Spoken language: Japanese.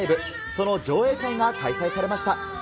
その上映会が開催されました。